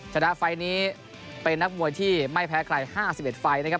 ชนะไฟล์นี้เป็นนักมวยที่ไม่แพ้ใคร๕๑ไฟล์นะครับ